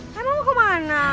loh emang kemana